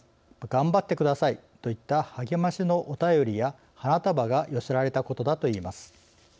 「がんばってください」といった励ましのお便りや花束が寄せられたことだといいます。